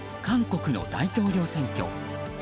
韓国の大統領選挙。